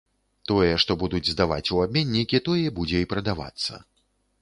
Тое, што будуць здаваць у абменнікі, тое будзе і прадавацца.